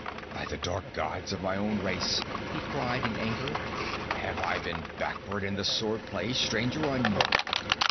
"By the dark gods of my own race!" he cried in anger. "Have I been backward in the sword play, stranger or no?